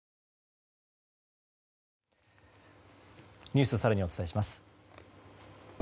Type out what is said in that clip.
ニュースを更にお伝えします。